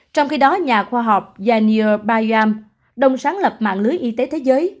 trong khi đó nhà khoa học genia bayam đồng sáng lập mạng lưới y tế thế giới